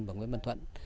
và nguyễn văn thuận